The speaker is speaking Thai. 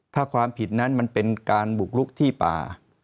ถ้าความผิดนั้นมันเป็นการบุกลุกที่ป่า